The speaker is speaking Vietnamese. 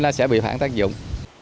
nó sẽ bị phản tác dụng